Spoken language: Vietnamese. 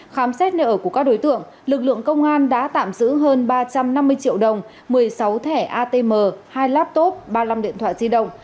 khám xét nợ của các đối tượng lực lượng công an đã tạm giữ hơn ba trăm năm mươi triệu đồng một mươi sáu thẻ atm hai laptop ba mươi năm điện thoại di động